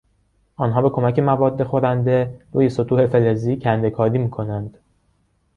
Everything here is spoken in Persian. آنها به کمک مواد خورنده روی سطوح فلزی کندهکاری میکنند.